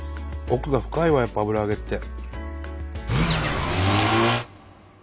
奥が深いわやっぱ油揚げって。